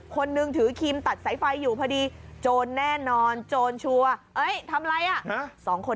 มันกลับมาที่สุดท้ายแล้วมันกลับมาที่สุดท้ายแล้ว